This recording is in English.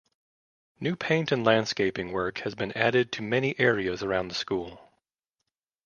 New paint and landscaping work has been added to many areas around the school.